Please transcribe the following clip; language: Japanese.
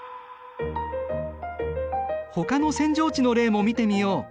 ほかの扇状地の例も見てみよう。